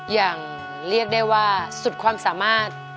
อย่างเรียกได้ว่าสุดความสามารถ